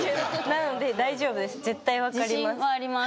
なので大丈夫です絶対わかりますああ